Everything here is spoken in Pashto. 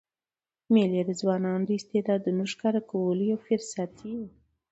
مېلې د ځوانانو د استعدادو ښکاره کولو یو فرصت يي.